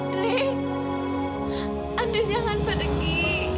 dre andri jangan pergi